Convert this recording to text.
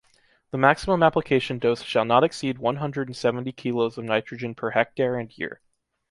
The maximum application dose shall not exceed one hundred and seventy kilos of nitrogen per hectare and year.